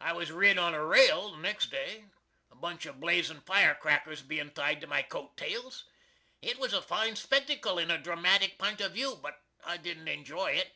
I was rid on a rale the next day, a bunch of blazin fire crackers bein tied to my coat tales. It was a fine spectycal in a dramatic pint of view, but I didn't enjoy it.